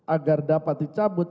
agar dapat dicabut